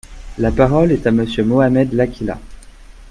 La parole est à Monsieur Mohamed Laqhila.